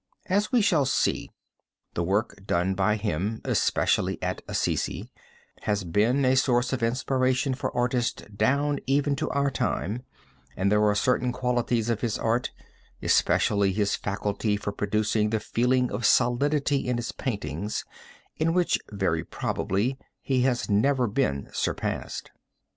As we shall see, the work done by him, especially at Assisi, has been a source of inspiration for artists down even to our own time, and there are certain qualities of his art, especially his faculty for producing the feeling of solidity in his paintings, in which very probably he has never been surpassed.